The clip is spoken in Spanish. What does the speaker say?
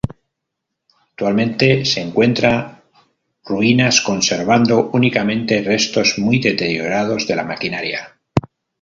Actualmente se encuentra ruinas, conservando únicamente restos muy deteriorados de la maquinaria.